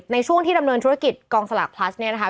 ในช่วงที่ดำเนินธุรกิจกองสลากพลัสเนี่ยนะคะ